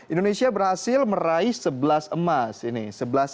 indonesia berhasil meraih sebelas emas ini